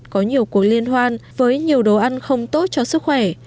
có nhiều cuộc liên hoan với nhiều đồ ăn không tốt cho sức khỏe